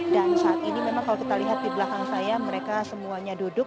dan saat ini memang kalau kita lihat di belakang saya mereka semuanya duduk